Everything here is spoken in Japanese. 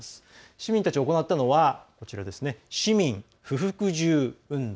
市民たちが行ったのは市民不服従運動。